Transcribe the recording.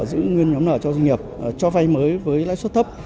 giữ nguyên nhóm nợ cho doanh nghiệp cho vay mới với lãi suất thấp